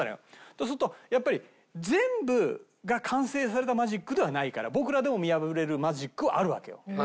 そうするとやっぱり全部が完成されたマジックではないから僕らでも見破れるマジックはあるわけよ。